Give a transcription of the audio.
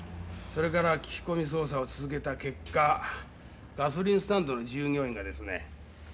それから聞き込み捜査を続けた結果ガソリンスタンドの従業員がですね